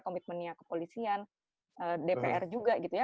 komitmennya kepolisian dpr juga gitu ya